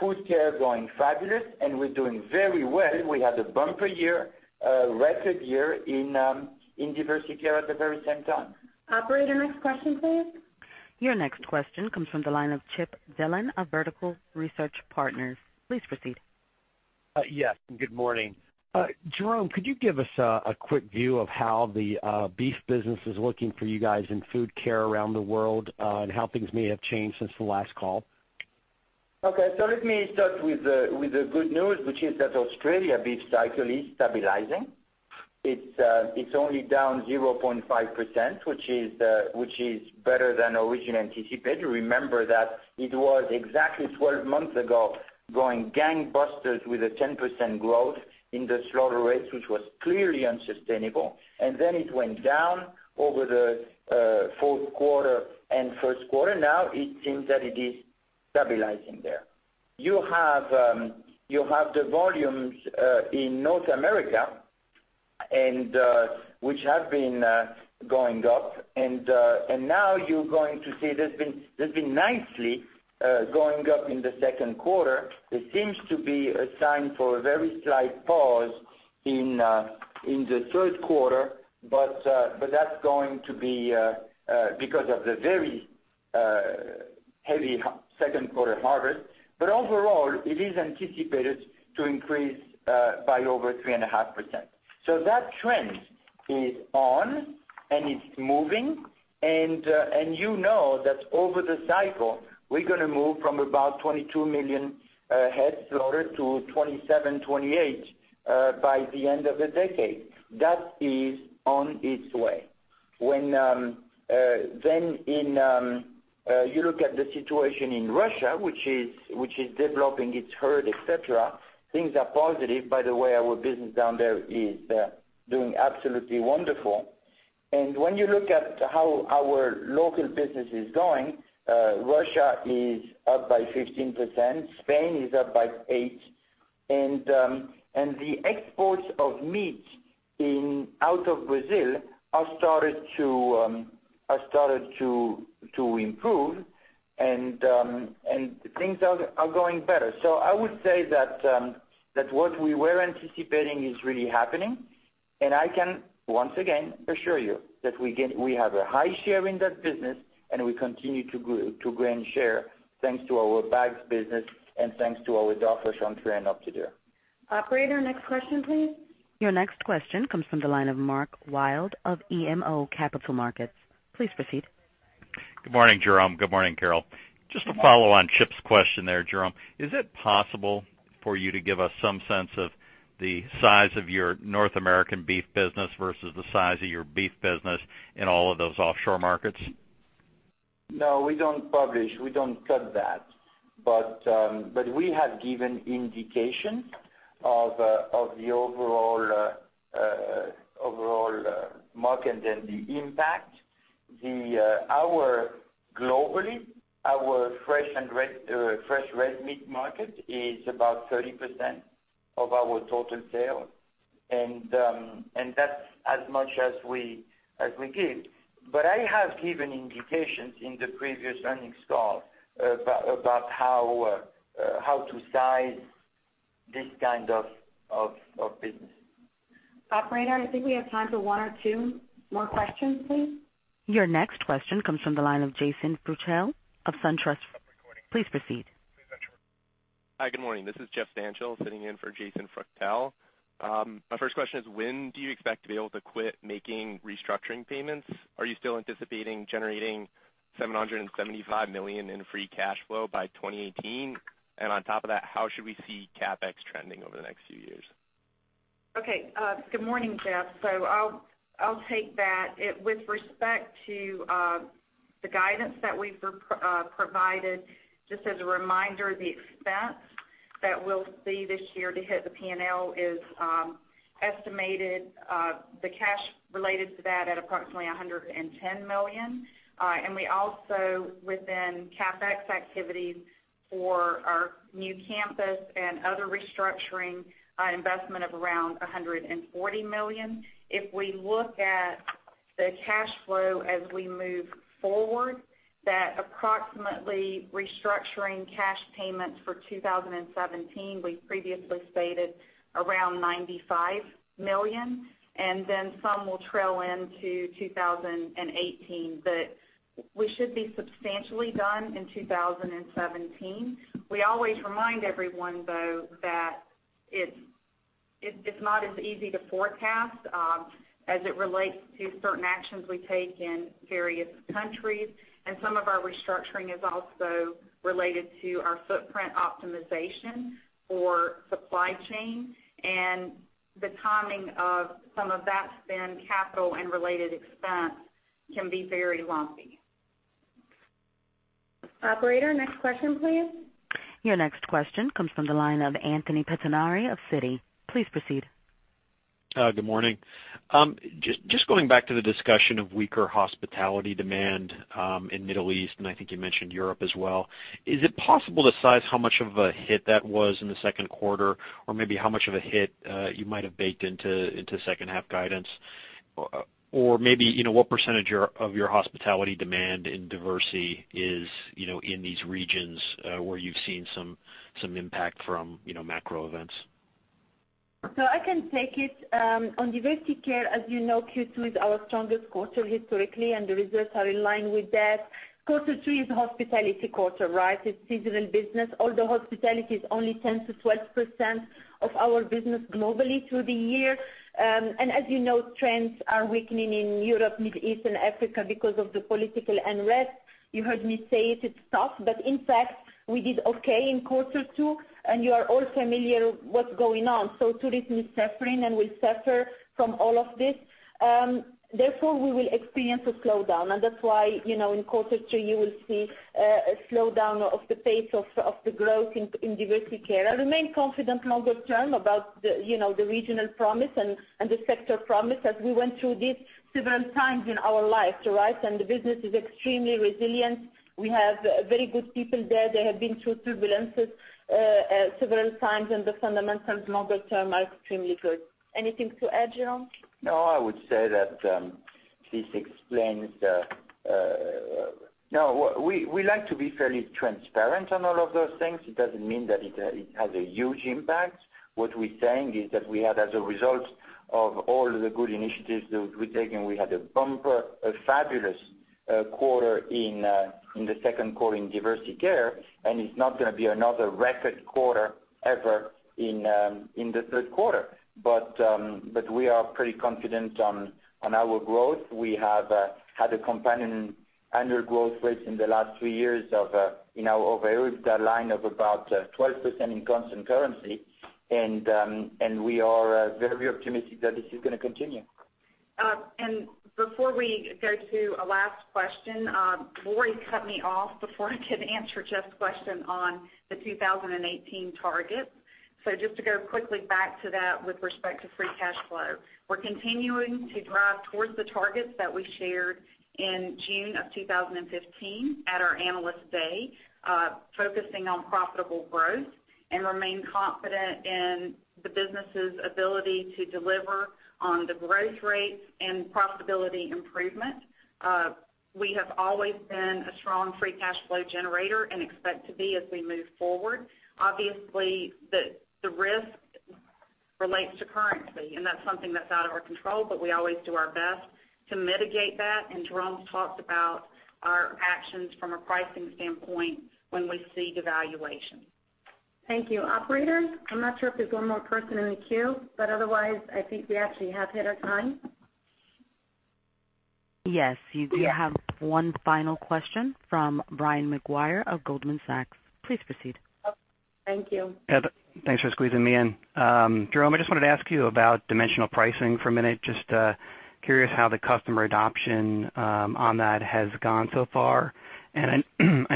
Food Care growing fabulous, and we're doing very well. We had a bumper year, a record year in Diversey Care at the very same time. Operator, next question, please. Your next question comes from the line of Chip Dillon of Vertical Research Partners. Please proceed. Yes, good morning. Jerome, could you give us a quick view of how the beef business is looking for you guys in Food Care around the world, and how things may have changed since the last call? Let me start with the good news, which is that Australia beef cycle is stabilizing. It's only down 0.5%, which is better than originally anticipated. Remember that it was exactly 12 months ago, growing gangbusters with a 10% growth in the slaughter rates, which was clearly unsustainable, and then it went down over the fourth quarter and first quarter. Now it seems that it is stabilizing there. You have the volumes in North America, which have been going up, and now you're going to see that's been nicely going up in the second quarter. There seems to be a sign for a very slight pause in the third quarter, but that's going to be because of the very heavy second quarter harvest. Overall, it is anticipated to increase by over 3.5%. That trend is on, it's moving, you know that over the cycle, we're going to move from about 22 million heads slaughtered to 27, 28 by the end of the decade. That is on its way. When then you look at the situation in Russia, which is developing its herd, et cetera, things are positive. By the way, our business down there is doing absolutely wonderful. When you look at how our local business is going, Russia is up by 15%, Spain is up by 8%, the exports of meat out of Brazil have started to improve, things are going better. I would say that what we were anticipating is really happening, I can once again assure you that we have a high share in that business, we continue to gain share thanks to our bags business and thanks to our Darfresh, Entrée and OptiDure. Operator, next question, please. Your next question comes from the line of Mark Wilde of BMO Capital Markets. Please proceed. Good morning, Jerome. Good morning, Carol. Just to follow on Chip's question there, Jerome, is it possible for you to give us some sense of the size of your North American beef business versus the size of your beef business in all of those offshore markets? We don't publish. We don't cut that. We have given indications of the overall market and the impact. Globally, our fresh red meat market is about 30% of our total sales, and that's as much as we give. I have given indications in the previous earnings call about how to size this kind of business. Operator, I think we have time for one or two more questions, please. Your next question comes from the line of Jason Freuchtel of SunTrust. Please proceed. Hi. Good morning. This is Jeff Stantial sitting in for Jason Freuchtel. My first question is, when do you expect to be able to quit making restructuring payments? Are you still anticipating generating $775 million in free cash flow by 2018? On top of that, how should we see CapEx trending over the next few years? Good morning, Jeff. I'll take that. With respect to the guidance that we've provided, just as a reminder, the expense that we'll see this year to hit the P&L is estimated, the cash related to that at approximately $110 million. We also, within CapEx activities for our new campus and other restructuring, investment of around $140 million. If we look at the cash flow as we move forward, that approximately restructuring cash payments for 2017, we previously stated around $95 million, some will trail into 2018. We should be substantially done in 2017. We always remind everyone, though, that it's not as easy to forecast as it relates to certain actions we take in various countries, some of our restructuring is also related to our footprint optimization for supply chain, the timing of some of that spend capital and related expense can be very lumpy. Operator, next question, please. Your next question comes from the line of Anthony Pettinari of Citi. Please proceed. Good morning. Just going back to the discussion of weaker hospitality demand in Middle East, and I think you mentioned Europe as well. Is it possible to size how much of a hit that was in the second quarter? Maybe how much of a hit you might have baked into second half guidance? Maybe, what % of your hospitality demand in Diversey is in these regions, where you've seen some impact from macro events? I can take it. On Diversey Care, as you know, Q2 is our strongest quarter historically, and the results are in line with that. Quarter three is a hospitality quarter, right? It's seasonal business, although hospitality is only 10%-12% of our business globally through the year. As you know, trends are weakening in Europe, Middle East, and Africa because of the political unrest. You heard me say it's tough, but in fact, we did okay in quarter two and you are all familiar what's going on. Tourism is suffering, and will suffer from all of this. Therefore, we will experience a slowdown, and that's why, in quarter three, you will see a slowdown of the pace of the growth in Diversey Care. I remain confident longer term about the regional promise and the sector promise as we went through this several times in our life, right? The business is extremely resilient. We have very good people there. They have been through turbulences several times, and the fundamentals longer term are extremely good. Anything to add, Jerome? No, we like to be fairly transparent on all of those things. It doesn't mean that it has a huge impact. What we're saying is that we had, as a result of all the good initiatives that we've taken, we had a bumper, a fabulous quarter in the second quarter in Diversey Care, it's not going to be another record quarter ever in the third quarter. We are pretty confident on our growth. We have had a compounded annual growth rate in the last three years of, over the line of about 12% in constant currency. We are very optimistic that this is going to continue. Before we go to a last question, Lori cut me off before I could answer Jeff's question on the 2018 targets. Just to go quickly back to that with respect to free cash flow. We're continuing to drive towards the targets that we shared in June of 2015 at our Analyst Day, focusing on profitable growth, and remain confident in the business's ability to deliver on the growth rates and profitability improvement. We have always been a strong free cash flow generator and expect to be as we move forward. Obviously, the risk relates to currency, and that's something that's out of our control, but we always do our best to mitigate that, and Jerome's talked about our actions from a pricing standpoint when we see devaluation. Thank you. Operator, I'm not sure if there's one more person in the queue, otherwise, I think we actually have hit our time. Yes. You do have one final question from Brian Maguire of Goldman Sachs. Please proceed. Thank you. Thanks for squeezing me in. Jerome, I just wanted to ask you about dimensional pricing for a minute. Just curious how the customer adoption on that has gone so far. I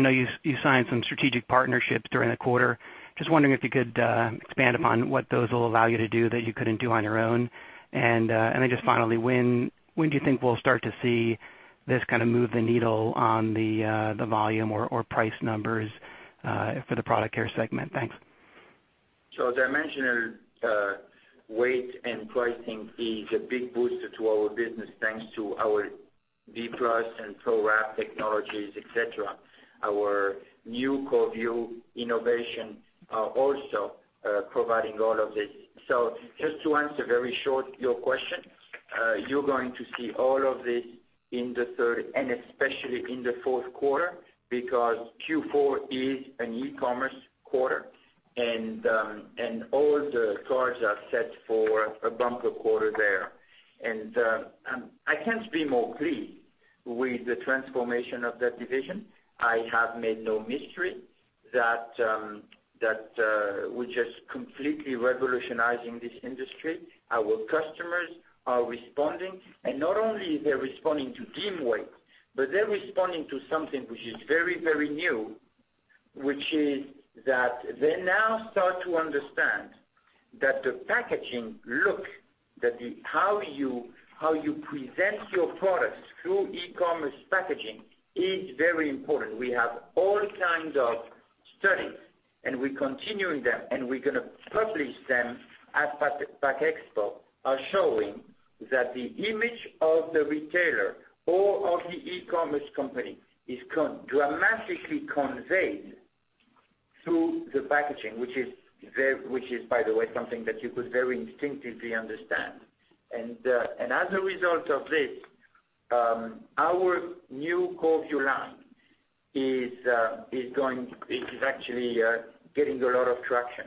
know you signed some strategic partnerships during the quarter. Just wondering if you could expand upon what those will allow you to do that you couldn't do on your own. Then just finally, when do you think we'll start to see this kind of move the needle on the volume or price numbers for the Product Care segment? Thanks. Dimensional weight and pricing is a big booster to our business, thanks to our D+ and Pro-Wrap technologies, et cetera. Our new Korrvu innovation are also providing all of this. Just to answer very short your question, you're going to see all of this in the third and especially in the fourth quarter, because Q4 is an e-commerce quarter and all the cards are set for a bumper quarter there. I can't be more pleased with the transformation of that division. I have made no mystery that we're just completely revolutionizing this industry. Our customers are responding, and not only they're responding to dim weight, but they're responding to something which is very, very new, which is that they now start to understand that the packaging look, that how you present your products through e-commerce packaging is very important. We have all kinds of studies, and we're continuing them, and we're going to publish them at Pack Expo, are showing that the image of the retailer or of the e-commerce company is dramatically conveyed through the packaging. Which is, by the way, something that you could very instinctively understand. As a result of this, our new Korrvu line is actually getting a lot of traction.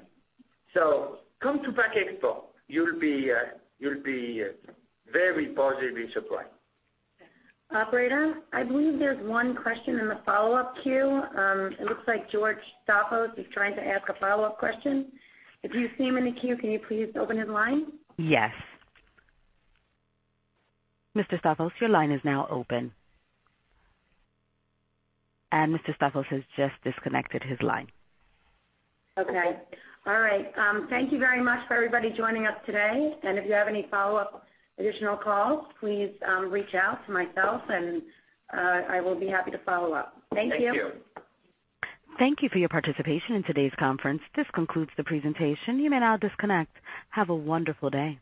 Come to Pack Expo. You'll be very positively surprised. Operator, I believe there's one question in the follow-up queue. It looks like George Staphos is trying to ask a follow-up question. If you see him in the queue, can you please open his line? Yes. Mr. Staphos, your line is now open. Mr. Staphos has just disconnected his line. Okay. All right. Thank you very much for everybody joining us today. If you have any follow-up additional calls, please reach out to myself, and I will be happy to follow up. Thank you. Thank you. Thank you for your participation in today's conference. This concludes the presentation. You may now disconnect. Have a wonderful day.